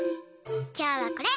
きょうはこれ。